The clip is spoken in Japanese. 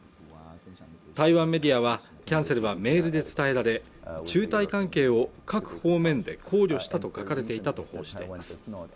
台湾メディアはキャンセルはメールで伝えられ中台関係を各方面で考慮したと書かれていたと報じています